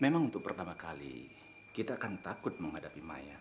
memang untuk pertama kali kita akan takut menghadapi maya